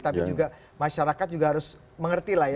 tapi juga masyarakat juga harus mengerti lah ya